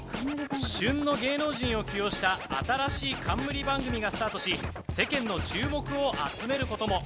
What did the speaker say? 旬の芸能人を起用した新しい冠番組がスタートし世間の注目を集めることも。